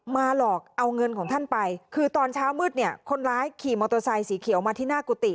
หลอกเอาเงินของท่านไปคือตอนเช้ามืดเนี่ยคนร้ายขี่มอเตอร์ไซค์สีเขียวมาที่หน้ากุฏิ